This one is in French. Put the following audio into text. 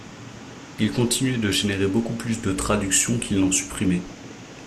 il continuait de générer beaucoup plus de traductions qu’il n’en supprimait.